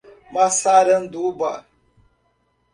Massaranduba